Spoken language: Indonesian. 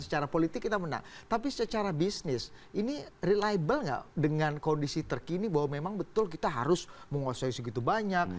secara politik kita menang tapi secara bisnis ini reliable nggak dengan kondisi terkini bahwa memang betul kita harus menguasai segitu banyak